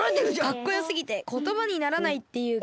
かっこよすぎてことばにならないっていうか。